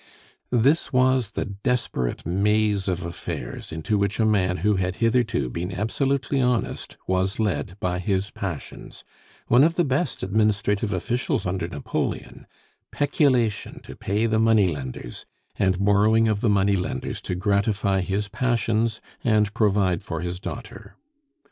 This was the desperate maze of affairs into which a man who had hitherto been absolutely honest was led by his passions one of the best administrative officials under Napoleon peculation to pay the money lenders, and borrowing of the money lenders to gratify his passions and provide for his daughter.